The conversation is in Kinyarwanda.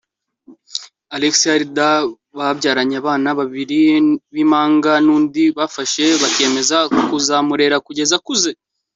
Alex Heard babyaranye abana babiri b’impanga n’undi bafashe bakiyemeza kuzamurera kugeza akuze.